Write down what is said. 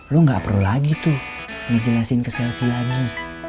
lo gak perlu lagi tuh ngejelasin ke selfie lagi